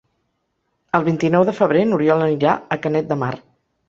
El vint-i-nou de febrer n'Oriol anirà a Canet de Mar.